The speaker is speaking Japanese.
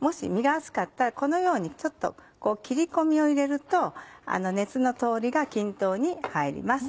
もし身が厚かったらこのようにちょっと切り込みを入れると熱の通りが均等に入ります。